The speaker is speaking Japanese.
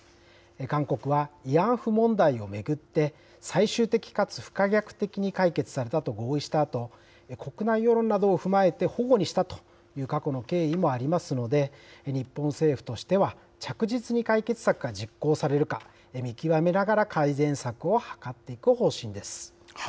韓国は慰安婦問題を巡って、最終的かつ不可逆的に解決されたと合意したあと、国内世論などを踏まえて、ほごにしたという過去の経緯もありますので、日本政府としては、着実に解決策が実行されるか、見極めながら改善策を図っていく方針です。